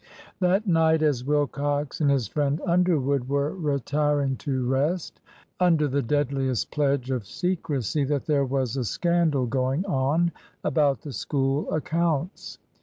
That night as Wilcox and his friend Underwood were retiring to rest, the former confided to the latter, under the deadliest pledge of secrecy, that there was a scandal going on about the School accounts.